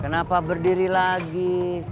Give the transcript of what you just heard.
kenapa berdiri lagi